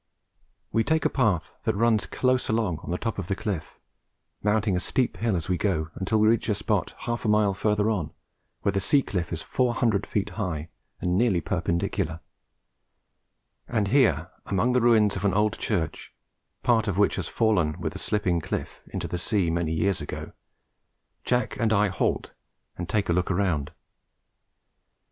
We take a path that runs close along on the top of the cliff, mounting a steep hill as we go till we reach a spot half a mile further on, where the sea cliff is four hundred feet high and nearly perpendicular; and here among the ruins of an old church, part of which has fallen with the slipping cliff into the sea many years ago, Jack and I halt and take a look round.